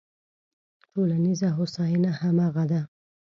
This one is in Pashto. ټولنیزه هوساینه همغه ده.